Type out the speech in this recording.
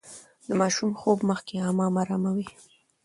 د ماشوم خوب مخکې حمام اراموي.